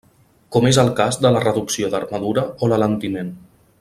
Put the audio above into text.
Com és el cas de la reducció d'armadura o l'alentiment.